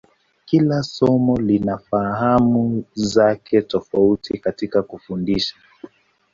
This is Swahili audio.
Kila somo lina fahamu zake tofauti katika kufundisha.